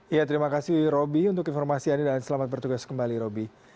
ya terima kasih roby untuk informasi anda dan selamat bertugas kembali roby